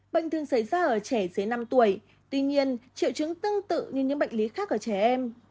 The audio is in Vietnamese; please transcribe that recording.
bệnh thường xảy ra ở trẻ dưới năm tuổi tuy nhiên triệu chứng tương tự như những bệnh lý khác ở trẻ em